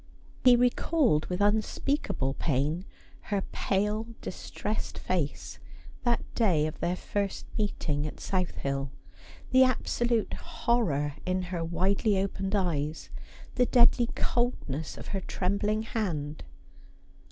He recalled, with unspeakable pain, her pale distressed face that day of their first meeting at South Hill ; the absolute horror in her widely opened eyes ; the deadly coldness of her trembling hand.